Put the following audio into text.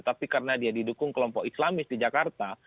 tapi karena dia didukung kelompok islamis di jakarta